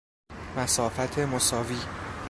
مسافت مساوی